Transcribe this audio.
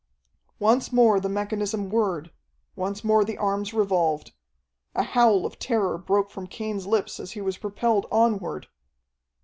Once more the mechanism whirred.... Once more the arms revolved. A howl of terror broke from Cain's lips as he was propelled onward....